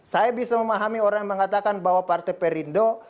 saya bisa memahami orang yang mengatakan bahwa partai perindo